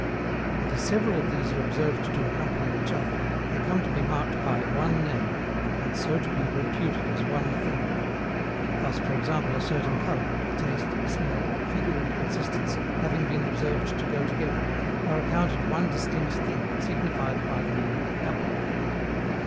And as several of these are observed to accompany each other, they come to be marked by one name, and so to be reputed as one thing. Thus, for example a certain colour, taste, smell, figure and consistence having been observed to go together, are accounted one distinct thing, signified by the name APPLE.